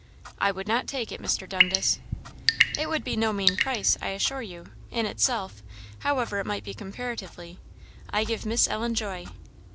"I would not take it, Mr. Dundas." "It would be no mean price, I assure you, in itself, however it might be comparatively. I give Miss Ellen joy."